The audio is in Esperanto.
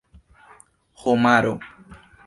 homaro